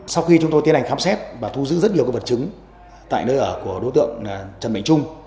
sau khi chúng tôi tiến hành khám xét và thu giữ rất nhiều vật chứng tại nơi ở của đối tượng trần mạnh trung